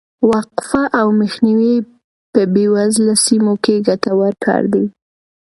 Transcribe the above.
وقفه او مخنیوی په بې وزله سیمو کې ګټور کار دی.